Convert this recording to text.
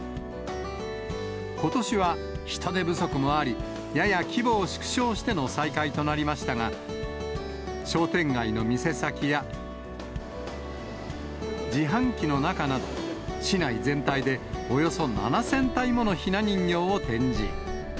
ことしは人手不足もあり、やや規模を縮小しての再開となりましたが、商店街の店先や、自販機の中など、市内全体でおよそ７０００体ものひな人形を展示。